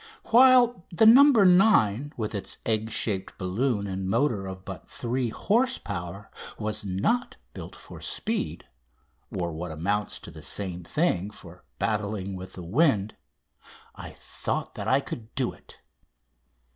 While the "No. 9," with its egg shaped balloon, and motor of but 3 horse power, was not built for speed or, what amounts to the same thing, for battling with the wind I thought that I could do it.